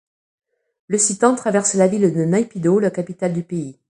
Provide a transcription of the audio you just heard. Le Sittang traverse la ville de Naypyidaw, la capitale du pays.